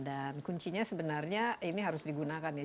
dan kuncinya sebenarnya ini harus digunakan ya